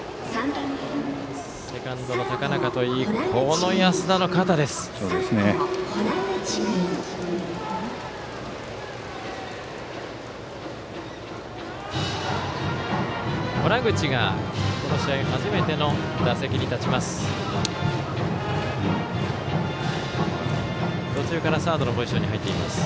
洞口が、この試合初めての打席に立ちます。